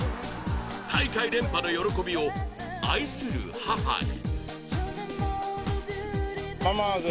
大会連覇の喜びを愛する母へ。